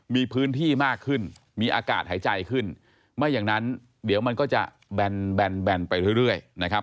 มีพื้นที่มากขึ้นมีอากาศหายใจขึ้นไม่อย่างนั้นเดี๋ยวมันก็จะแบนไปเรื่อยนะครับ